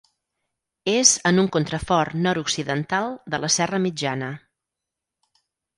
És en un contrafort nord-occidental de la Serra Mitjana.